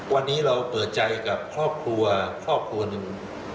วันนี้เราเปิดใจกับครอบครัวครอบครัวหนึ่ง